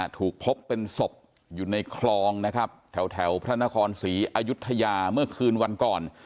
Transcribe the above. ถูกพบเป็นศพอยู่ในคลองนะครับแถวพระนครศรีอายุทยาเมื่อคืนวันก่อน